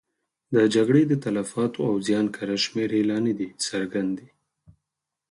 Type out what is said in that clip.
د جګړې د تلفاتو او زیان کره شمېرې لا نه دي څرګندې.